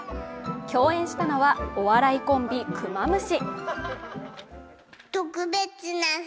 共演したのは、お笑いコンビ、クマムシ。